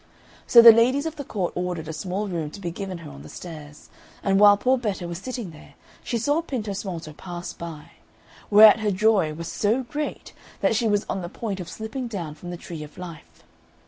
So the ladies of the court ordered a small room to be given her on the stairs; and while poor Betta was sitting there she saw Pintosmalto pass by, whereat her joy was so great that she was on the point of slipping down from the tree of life.